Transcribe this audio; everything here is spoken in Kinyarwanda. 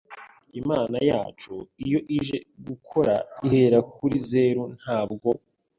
Imana yacu iyo ije gukora ihera kuri zero ntabwo